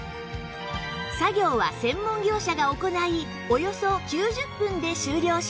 作業は専門業者が行いおよそ９０分で終了します